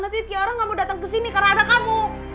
nanti tiara gak mau datang kesini karena ada kamu